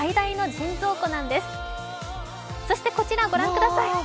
そしてこちら、ご覧ください！